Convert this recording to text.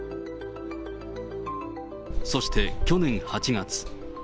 そして去年８月。